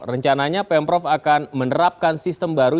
rencananya pemprov akan menerapkan sistem baru